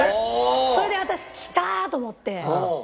それで私「きた」と思って。